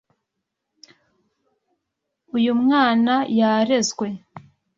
Uyu mwana yarezwe.